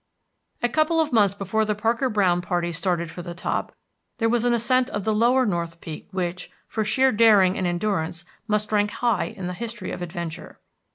A couple of months before the Parker Browne party started for the top, there was an ascent of the lower North Peak which, for sheer daring and endurance must rank high in the history of adventure.